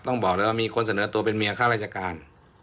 ต้องบอกเลยว่ามีคนเสนอตัวเป็นเมียค่าราชการ